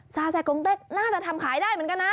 ซาแซกงเต็กน่าจะทำขายได้เหมือนกันนะ